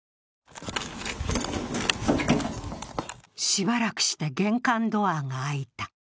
しばらくして玄関ドアが開いた。